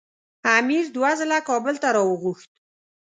امیر دوه ځله کابل ته راوغوښت.